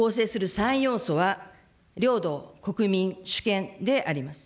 ３要素は、領土、国民、主権であります。